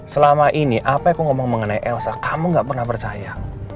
selama ini apa aku ngomong mengenai elsa kamu gak pernah percaya